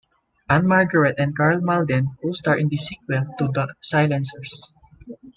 Ann-Margret and Karl Malden co-star in this sequel to "The Silencers".